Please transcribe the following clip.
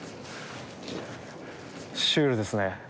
シュールですね。